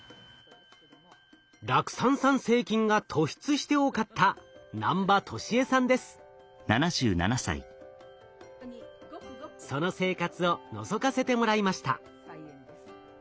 酪酸産生菌が突出して多かったその生活をのぞかせてもらいました。